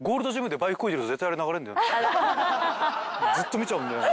ずっと見ちゃうんだよな。